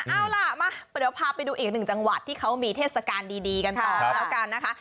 เอาล่ะมาเดี๋ยวพาไปดูอีกหนึ่งจังหวัดที่เขามีเทศกาลดีกันต่อก็แล้วกันนะคะ